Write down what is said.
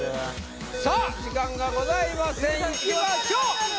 さあ時間がございませんいきましょう